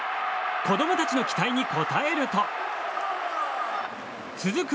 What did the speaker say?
子供たちの期待に応えると続く